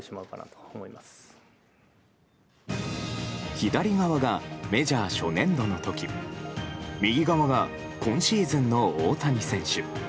左側がメジャー初年度の時右側が今シーズンの大谷選手。